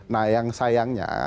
nah yang sayangnya